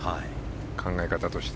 考え方として。